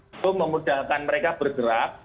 itu memudahkan mereka bergerak